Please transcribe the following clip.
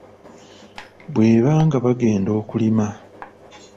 Bwe baanga bagenda okulima,